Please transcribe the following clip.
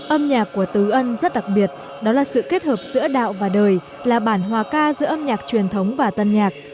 âm nhạc của tứ ân rất đặc biệt đó là sự kết hợp giữa đạo và đời là bản hòa ca giữa âm nhạc truyền thống và tân nhạc